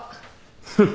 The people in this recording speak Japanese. フッ。